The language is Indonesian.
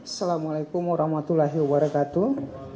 assalamualaikum warahmatullahi wabarakatuh